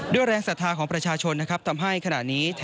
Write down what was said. ด้วยแรงศรัทธาของประชาชนทำให้ขนาดนี้